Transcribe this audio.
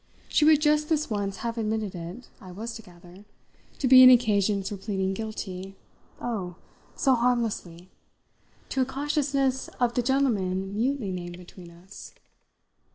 She would just this once have admitted it, I was to gather, to be an occasion for pleading guilty oh, so harmlessly! to a consciousness of the gentleman mutely named between us.